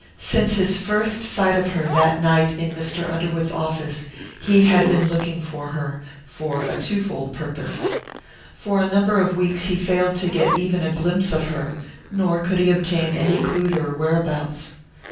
Since his first sight of her that night in Mr. Underwood's office he had been looking for her, for a twofold purpose. For a number of weeks he failed to get even a glimpse of her, nor could he obtain any clew to her whereabouts.